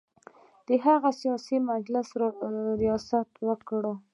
د هغه سیاسي مجلس ریاست وکړم.